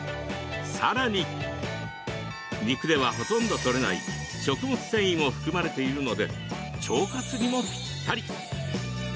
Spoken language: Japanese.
さらに、肉ではほとんどとれない食物繊維も含まれているので腸活にもぴったり。